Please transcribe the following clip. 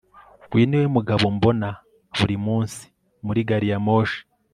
Uyu niwe mugabo mbona buri munsi muri gari ya moshi